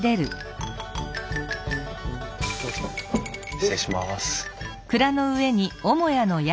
失礼します。